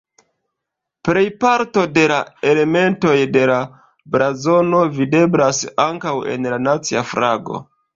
Plejparto de la elementoj de la blazono videblas ankaŭ en la nacia flago.